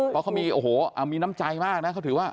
เพราะเขามีน้ำใจมากนะเขาถือว่า